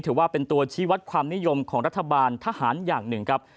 ถือว่าเป็นตัวชี้วัดความนิยมของรัฐบาลทหารอย่างหนึ่งครับ